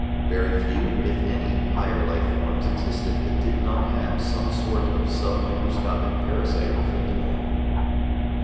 Very few, if any, higher life forms existed that did not have some sort of submicroscopic parasite afflicting them.